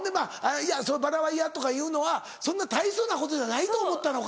「そのバラは嫌」とかいうのはそんな大層なことじゃないと思ったのか。